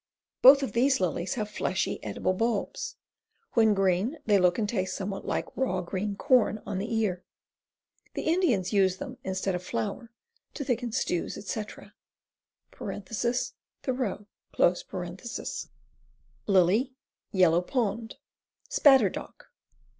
Both of these lilies have fleshy, edible bulbs. When green they look and taste somewhat like raw green corn on the ear. The Indians use them, instead of flour, to thicken stews, etc. (Thoreau.) Lily, Yellow Pond. Spatter dock.